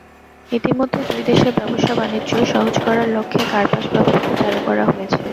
ইতিমধ্যে দুই দেশের ব্যবসা-বাণিজ্য সহজ করার লক্ষ্যে কারপাস ব্যবস্থা চালু করা হয়েছে।